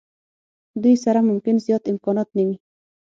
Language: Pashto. دوی سره ممکن زیات امکانات نه وي.